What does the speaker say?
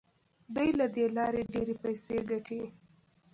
دوی له دې لارې ډیرې پیسې ګټي.